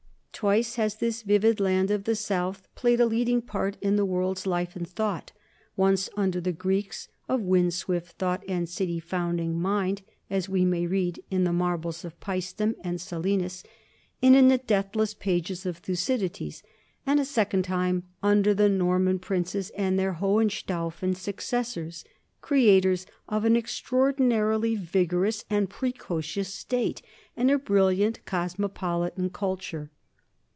Twice has this vivid land of the south played a leading part in the world's life and thought, once under the Greeks, of ' 'wind swift thought and city founding mind," as we may read in the mar bles of Paestum and Selinus and in the deathless pages of Thucydides; and a second time under the Norman princes and their Hohenstaufen successors, creators of an extraordinarily vigorous and precocious state and a brilliant cosmopolitan culture.